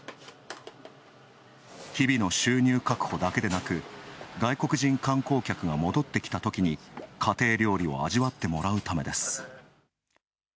日々の収入確保だけでなく外国人観光客が戻ってきたときに家庭料理を味わってもらうためです。